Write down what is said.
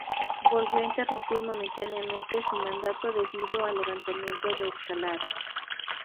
Volvió a interrumpir momentáneamente su mandato debido al levantamiento de Escalada.